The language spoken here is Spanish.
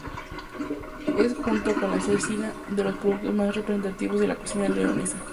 Es junto con la cecina de los productos más representativos de la cocina leonesa.